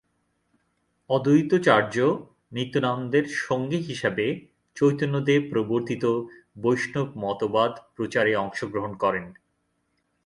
অদ্বৈতাচার্য নিত্যানন্দের সঙ্গী হিসেবে চৈতন্যদেব প্রবর্তিত বৈষ্ণব মতবাদ প্রচারে অংশগ্রহণ করেন।